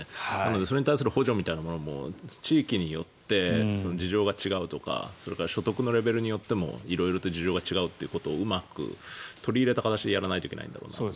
それに対する補助みたいなものも地域によって事情が違うとかそれから所得のレベルによっても色々と事情が違うということをうまく取り入れた形でやらないといけないんだろうなと思います。